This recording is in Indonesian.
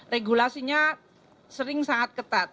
regulasinya sering sangat ketat